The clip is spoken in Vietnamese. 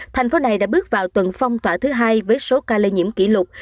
thành phố này đã bước vào tuần phong tỏa thứ hai với số ca lây nhiễm kỷ lục